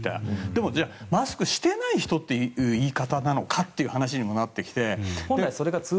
でもマスクしてない人っていう言い方なのかっていう話になってきて。